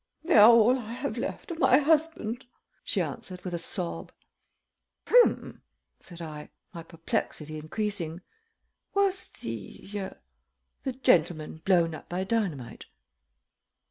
"They are all I have left of my husband," she answered with a sob. "Hum!" said I, my perplexity increasing. "Was the ah the gentleman blown up by dynamite?"